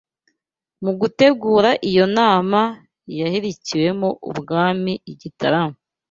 mu gutegura iyo nama yahirikiwemo ubwami i Gitarama